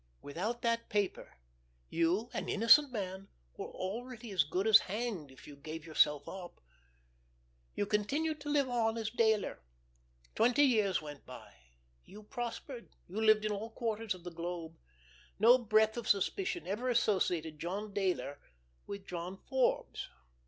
Without that paper, you, an innocent man, were already as good as hanged if you gave yourself up. You continued to live on as Dayler. Twenty years went by. You prospered. You lived in all quarters of the globe. No breath of suspicion ever associated John Dayler with John Forbes.